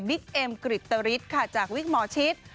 บิ๊กเอ็มกริตตริตค่ะจากวิกหมอชิต